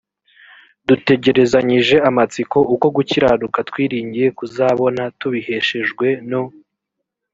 dutegerezanyije amatsiko uko gukiranuka twiringiye kuzabona tubiheshejwe no